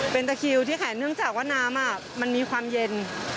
เป็นตะคิวที่ขายเนื่องจากว่าน้ำมันมีความเย็น